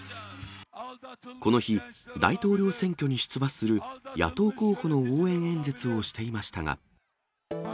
この日、大統領選挙に出馬する野党候補の応援演説をしていましたが。